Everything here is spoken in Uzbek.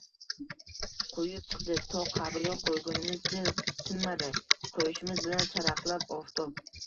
quyib chiqdi. To qabrga qo'ygunimizcha tinmadi. Qo'yishimiz bilan charaqlab oftob